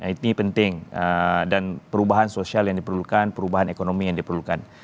it penting dan perubahan sosial yang diperlukan perubahan ekonomi yang diperlukan